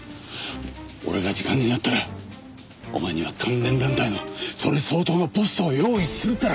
俺が次官になったらお前には関連団体のそれ相当のポストを用意するから。